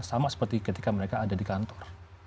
sama seperti ketika mereka ada di kantor